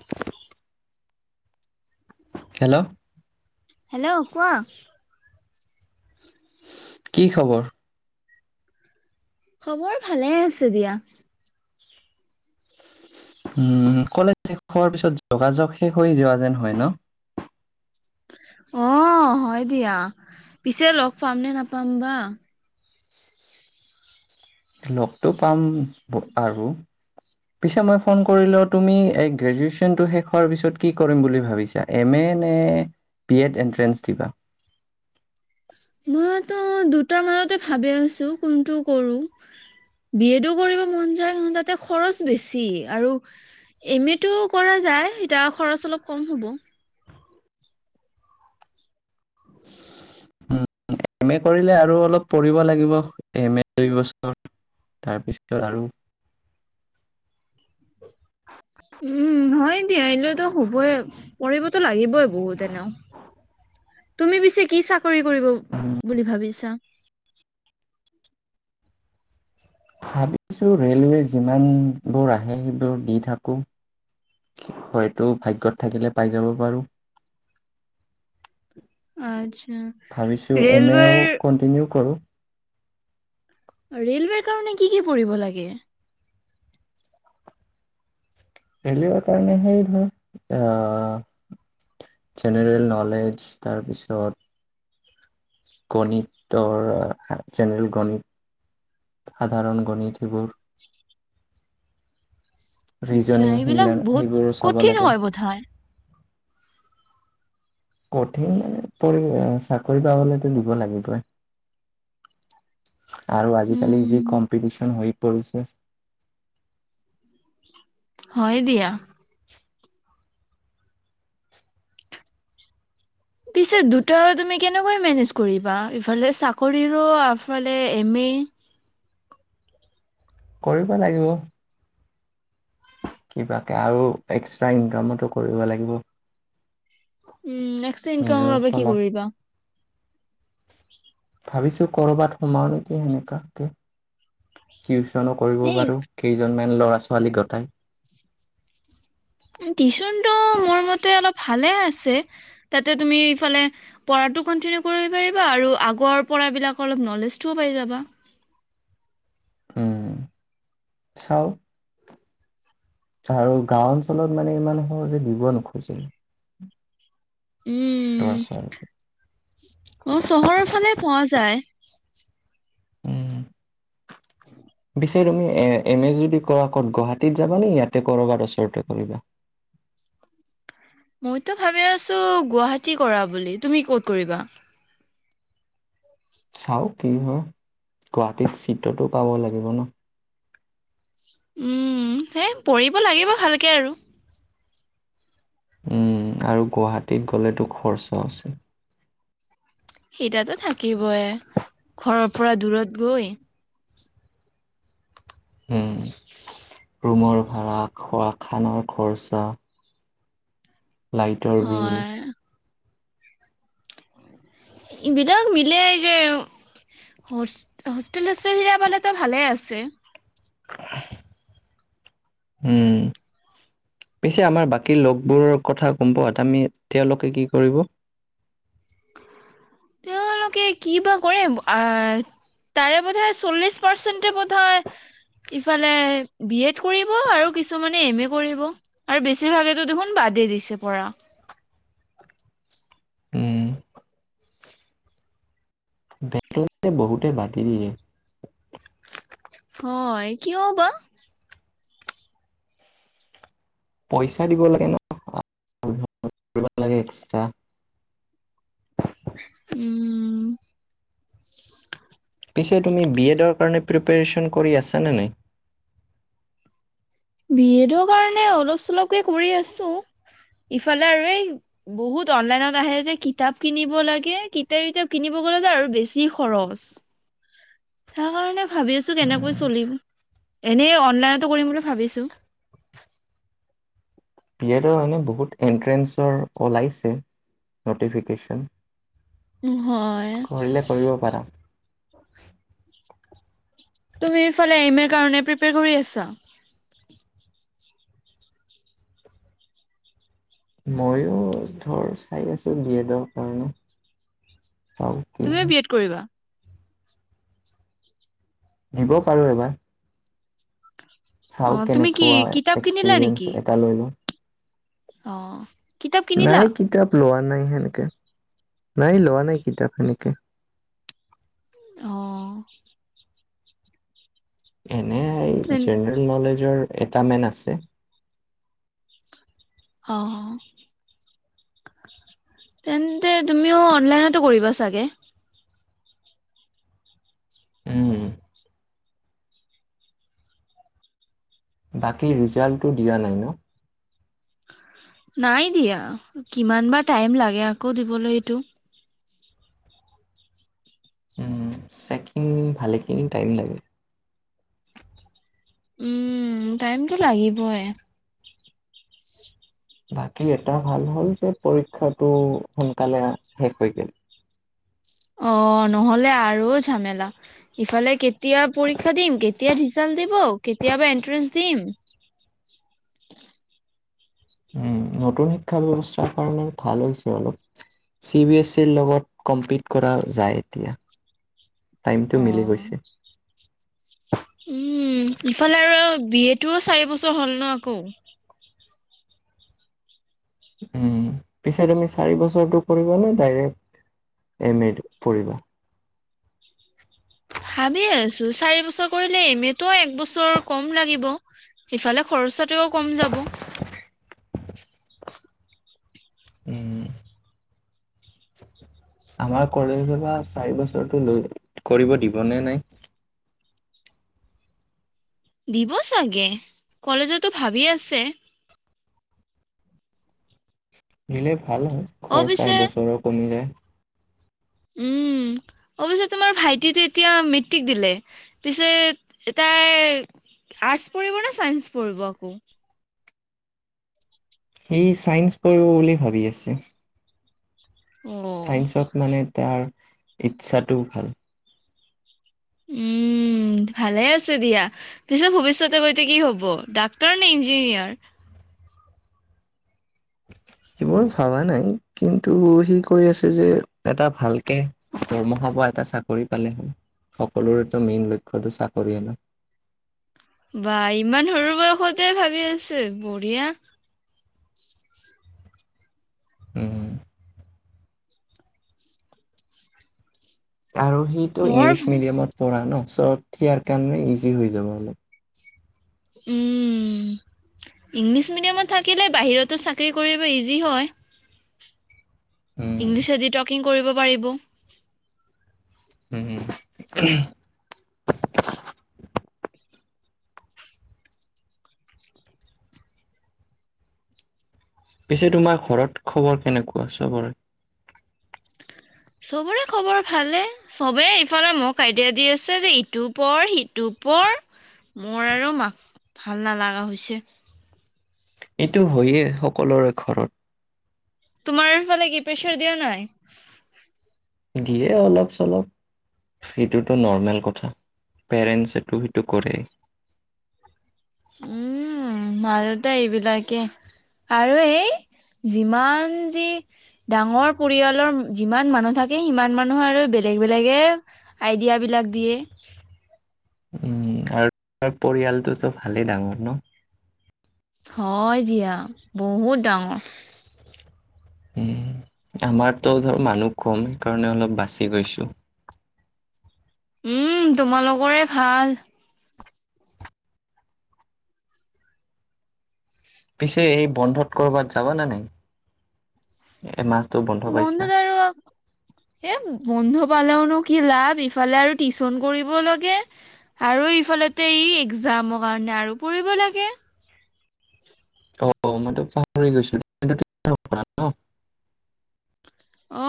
[inaudible] Hello'- hello কোৱা? কি খবৰ? খবৰ ভালে আছে দিয়া উম কলেজ শেষ হোৱাৰ পিছত যোগাযোগ শেষ হৈ যোৱা যেন হয় ন? অ হয় দিয়া পিছে লগ পাম নে নাপাম বা? লগটো পাম ব বাৰু? পিছে মই ফোন কৰিলো তুমি এই গ্ৰেজুুৱেচনটো শেষ হোৱাৰ পিছত কি কৰিম বুলি ভাবিছা? এম এ নে বিএড এণ্ট্ৰেন্ঞ্চ দিবা? মইতো দুটাৰ মাজতেই ভাবি আছো কোনটো কৰো? বি এডো কৰিব মন যায় কিন্তু তাতে খৰচ বেছি আৰু এম এটো কৰা যায় ইতা খৰচ অলপ কম হ'ব উম- এম এ কৰিলে আৰু অলপ পঢ়িব লাগিব এম এ দুই বছৰ তাৰপিছতে আৰু [unintelligible] উম হয় দিয়া এনেওটো হবই পঢ়িবতো লাগিবই বহুত এনেও তুমি পিছে কি চাকৰি কৰিব উম, বুলি ভাবিছা ভাবিছো ৰেলৱে যিমান বোৰ আহে সেইবোৰ দি থাকো হয়তো ভাগ্যত থাকিলে পাই যাব পাৰোঁ আচ্ছা ভাবিছো এম এও ৰেলৱেৰ কন্টিনিউ কৰো ৰেলৱেৰ কাৰণে কি কি পঢ়িব লাগে। ৰেলৱে কাৰণে সে ধৰ আ জেনেৰেল নলেজ তাৰপিছত গণিতৰ জেনেৰেল গণিত সাধাৰণ গণিত সেবোৰ। আচ্ছা ৰিজনিং এইবিলাক সেগিলান বহুত সেইবোৰো চাব কঠিন লাগে। হয় বোধ হয। কঠিন মানে তো চাকৰি পাবলেতো দিব লাগিবই। আৰু আজিকালি যি উম কম্পিটিচন হৈ পৰিছে। হয় দিয়া। পিছে দুটা তুমি কেনেকৈ মেনেজ কৰিবা, ইফালে চাকৰিৰো আফেলে এম এ। কৰিব লাগিব। কিবাটা আৰু এক্সট্ৰা ইনকামতো কৰিব লাগিব। উম এক্সটা ইনকামৰ নিজৰ বাবে কি চলা কৰিবা? ভাবিছো ক'ৰবাত সোমাও নেকি সেনেকাকে টিউচনো কৰিব এই পাৰো। কেইজনমান লৰা ছোৱালী গটাই। উম টিউচনটো মোৰ মতে অলপ ভালে আছে তাতে তুমি ইফালে পঢ়াটো কণ্টিনিউ কৰিব পাৰিবা আৰু আগৰ পঢ়া বিলাক অলপ নলেজটোও পাই যাবা। উম', চাও। গাও গাও অঞ্চলত মানে ইমান সহজে দিব নোখোজে। [unintelligible] তে উম অ, চহৰৰ ফালে পোৱা যায়। উম পিছে তুমি এ এম এ যদি কৰা কত গুৱাহাটীত যাবা নে ইয়াতে কৰবাত ওচৰতে কৰিবা? মইতো ভাবি আছো গুৱাহাটী কৰা বুলি তুমি ক'ত কৰিবা? চাও কি হয় গুৱাহাটীত চিতটোত পাব লাগিব ন। উম সেই পঢ়িব লাগিব ভালকে আৰু। উম আৰু গুৱাহাটীত গ'লেতো খৰাচো আছে। সেইতাতো থাকিবই ঘৰৰ পৰা দূৰত গৈ উম ৰুমৰ ভাড়া খোৱা খানাৰ খৰচা। লাইটৰ বিল। হয় বিলাক মিলে যে হোষ্টেল চোষ্টেল যাবলে ত ভালে আছে। উম। পিছে আমাৰ বাকী লগবোৰৰ কথা গম পাৱা আমি তেওঁলোকে কি কৰিব? তেওঁলোকে কি বা কৰে আহ। তাৰে বোধয় চল্লিশ পাৰ্চেন্টে বোধয় ইফালে বি এড কৰিব আৰু কিছুমানে এম এ কৰিব। আৰু বেছিভাগেতো দেখোন বাদেই দিছে পঢ়া। উম বেগেলতে বহুতে বাটতি দিয়ে। হয় কিয় বাৰু? পইচা দিব লাগে ন [inaudible] উম। পিছে তুমি বি এডৰ কাৰণে প্ৰিপেৰেচন কৰি আছানে নাই? বি এডৰ কাৰণে অলপ চলপকে কৰি আছো। ইফালে আৰু এই বহুত অনলাইনত আহে যে কিতাপ কিনিব লাগে। কিতাপ কিনিব গলে যে আৰু বেছি খৰচ। তাৰ কাৰণে ভাবি আছোঁ কেনেকৈ চলিম এনেই অনলাইনতো কৰিম বুলি ভাবিছোঁ। বি এডৰ হয়নে বহুত এনট্ৰেঞ্চৰ ওলাইছে নটিফিকেচন। হয় কৰিলে কৰিব পাৰা। তুমি ইফালে এম এৰ কাৰণে প্ৰিপেয়াৰ কৰি আছা? মইো ধৰ চাই আছো বি এডৰ কাৰণে চাওঁ। তুমিও বি এড কৰিবা? দিব পাৰো এই এবাৰ। অ চাওঁ তুমি কি কেনেকুৱা কিতাপ কিনিলা নেকি এক্সপিৰিয়েন্ঞ্চ এটা লৈ লও। অ। কিতাপ কিনিলা নাই কিতাপ লোৱা নাই সেনেকে নাই লোৱা নাই কিতাপ সেনেকে। অ,। এনে এই তেন জেনেৰেল নলেজৰ এটা মেন আছে। অ। তেন্তে তুমিও অনলাইনতো কৰিবা চাগে? উম। বাকী ৰিজাল্টটো দিয়া নাই ন? নাই দিয়া কিমান বা টাইম লাগে আকৌ দিবলৈ এইটো। উম চেকিনং ভালেখিনি টাইম লাগে। উম টাইমটো লাগিবই। বাকী এটা ভাল হ'ল যে পৰীক্ষাটো সোনকালে শেষ হয় গ'ল। অ নহ'লে আৰু ঝেমেলা। ইফালে কেতিয়া পৰীক্ষা দিম কেতিয়া ৰিজাল্ট দিব কেতিয়াবা এনট্ৰেন্ঞ্চ দিম? উম নতুন শিক্ষা ব্যৱস্থাৰ কাৰণে ভাল হৈছে অলপ। চি বি এছ ই ৰ লগত কমপ্লিট কৰা যায় এতিয়া টাইমটো মিলি অ'। গৈছে। উম ইফালে আৰু বি এ টোও চাৰি বছৰ হ'ল ন আকৌ? উম পিছে তুমি চাৰি বছৰটো কৰিবা নে ডাইৰেক্ট এম এ টো কৰিবা? ভাবি আছোঁ চাৰি বছৰ কৰিলে এম এটো এক বছৰ কম লাগিব। সেইফালে খৰচ পাতিও কম যাব। উম। আমাৰ কলেজৰ পৰা চাৰি বছৰটো লৈ, কৰিব দিবনে নাই। দিব চাগে, কলেজেতো ভাবি আছে। দিলে ভাল হয়, অ' খৰচা পিছে এবছৰৰ কমি যায়। [inaudible] অৱশ্যে তোমাৰ ভাইটিটো এতিয়া মেট্ৰিক দিলে পিছে তাই আৰ্টচ পঢ়িব নে চাইন্স পঢ়িব আকৌ? সি চাইন্স পঢ়িব বুলি ভাবি আছে। অ', চাইন্সত মানে তাৰ ইচ্ছাটো ভাল। উম। উম, ভালে আছে দিয়া। পিছত ভৱিষ্যতে গৈ কি হ'ব ডাক্তৰ নে ইঞ্জিনিয়াৰ? সেইবোৰ ভাবা নাই কিন্তু সি কৈ আছে যে এটা ভালকে দৰমহা পোৱা এটা চাকৰি পালে হ'ল, সকলোৰো মেইন লক্ষ্যটো চাকৰিয়ে ন'। বা ইমান সৰু বয়সতে ভাবি আছে, বঢ়িয়া। উম। আৰু সিটো মোৰ ইংলিছ মিডিয়ামত পঢ়া ন' চ' সিয়াৰ কাৰণে ইজি হৈ যাব অলপ। উম। ইংলিছ মিডিয়ামত থাকিলে বাহিৰতো চাকৰি কৰিব ইজি হয়। উম ইংলিছেদি টকিং কৰিব পাৰিব। উম। পিছে তোমাৰ ঘৰত খবৰ কেনেকুৱা চবৰে? চবৰে খবৰ ভালে, চবে ইফালে মোক আইডিয়া দি আছে ইটো পঢ়, সিটো পঢ়, মোৰ আৰু মা, ভাল নালাগা হৈছে। এইটো হয়েই সকলোৰে ঘৰত। তোমাৰ ফালে কি প্ৰেছাৰ দিয়া নাই? দিয়ে অলপ চলপ। সেইটোতো নৰ্মেল কথা, পেৰেন্সেতো সেইটো কৰে। উম, মা দেউতা এইবিলাকে। আৰু এই যিমান যি ডাঙৰ পৰিয়ালৰ যিমান মানুহ থাকে সিমান মানুহৰে বেলেগ বেলেগে আইডিয়াবিলাক দিয়ে। উম, আৰু পৰিয়ালটোতো ভালেই ডাঙৰ ন'। হয় দিয়া, বহুত ডাঙৰ। উম, আমাৰতো ধৰ মানুহ কম সেইকাৰণে অলপ বাচি গৈছোঁ। উম, তোমালোকৰে ভাল। পিছে এই বন্ধত ক'ৰবাত যাব নে নাই? এই মাচটো বন্ধ পাইছা। বন্ধুত আৰু এ, বন্ধ পালেওনো কি লাভ ইফালে আৰু টিউচন কৰিব লাগে। আৰু ইফালতে ই এক্সামৰ কাৰণে আৰু পঢ়িব লাগে। অ', অ' মইটো পাহৰি গৈছোঁ। অ'।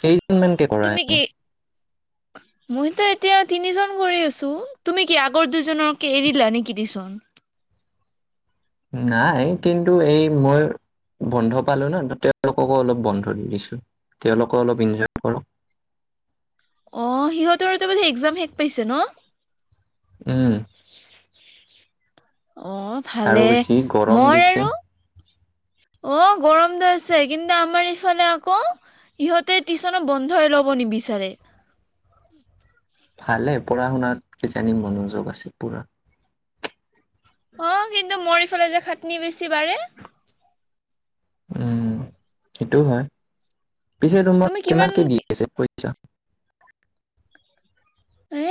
কেইজনমানকে কৰা তুমি এনে কি [inaudible] মইতো এতিয়া তিনিজন কৰি আছোঁ, তুমি কি আগৰ দুজনক এৰি দিলা নেকি টিউচন? নাই কিন্তু এই মোৰ বন্ধ পালো ন', তেওঁলোককো অলপ বন্ধ দি দিছো। তেওঁলোকো অলপ ইনজ অ' সিহঁতৰো এতিয়া বোলে একজাম শেষ পাইছে ন'? উম, অ ভালে আৰু যি গৰম মই দিছে। আৰু [inaudible] অ' গৰমটো হৈছে কিন্তু আমাৰ এইফালে আকৌ ইহঁতে টিউচনো বন্ধই ল'ব নিবিচাৰে। ভালে পঢ়া শুনাত কিজানি মনোযোগ আছে পুৰা। অ' কিন্তু মোৰ ইফালে যে খাটনি বেছি বাৰে। উম সেইটোও হয়, পিছে তোমাক তুমি কিমান কিমানকে দি আছে পইচা?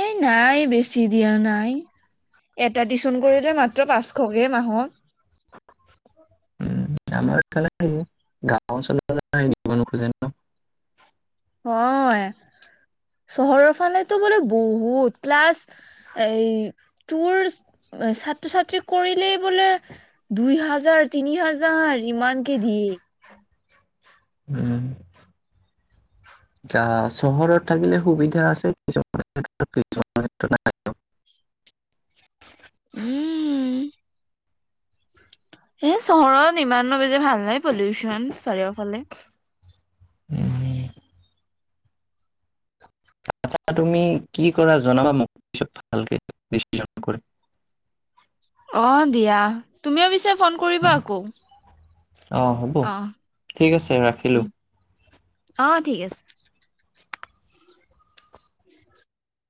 এ নাই বেছি দিয়া নাই এটা টিউচন কৰিলে মাত্ৰ পাচ শকে মাহত। উম, আমাৰ এইফালে [inaudible] [unintelligible] হয়, চহৰৰ ফালেতো বোলে বহুত ক্লাছ এই টোৰ ছাত্ৰ-ছাত্ৰীক কৰিলেই বোলে। দুই হাজাৰ, তিনি হাজাৰ ইমানকে দিয়ে। উম! চহৰত থাকিলে সুবিধা আছে কিছুমান। [inaudible] উম। এ চহৰত ইমানো বেচি ভাল নাই, পলিউচন চাৰিওফালে। উম। আচ্ছা তুমি কি কৰা জনাবা মোক পিছত ভালকে ডিচিছন কৰি। অ' দিয়া তুমিও পিছে ফন কৰিবা উম, আকৌ। অ', হ'ব ঠিক আছে অ' ৰাখিলোঁ। উম। অ' ঠিক আছে। [inaudible]